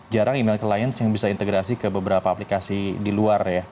jarang email keliance yang bisa integrasi ke beberapa aplikasi di luar ya